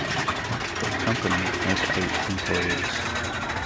The company had eight employees.